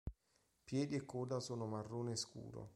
Piedi e coda sono marrone scuro.